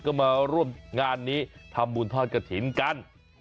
ก็มาร่วมงานนี้ทำบุญทอดกระถิ่นกัน